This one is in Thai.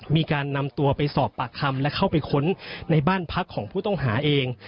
มีการนำตัวไปสอบปากคำและเข้าไปค้นในบ้านพักของผู้ต้องหาเอง